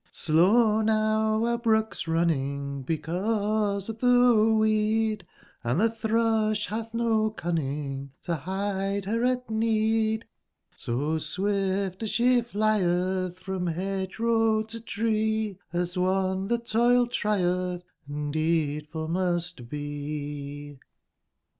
Slow now are brooks running because of tbe weed, I Hnd tbe tbrusb batb no cunning to bide ber at need, So swift as sbe flietb from bedge/row to tree, Hs one tbat toil trietb, and deedf ul must be.